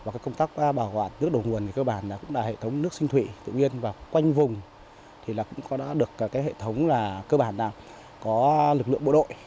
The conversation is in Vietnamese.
công tác bảo quản nước đầu nguồn cơ bản cũng là hệ thống nước sinh thụy tự nhiên và quanh vùng cũng đã được hệ thống cơ bản có lực lượng bộ đội